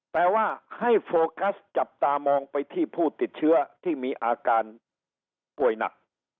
แต่ว่าให้โฟกัสจับตามองไปที่ผู้ติดเชื้อที่มีอาการป่วยหนัก